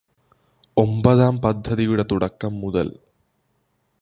ഒമ്പതാം പദ്ധതിയുടെ തുടക്കം മുതൽ.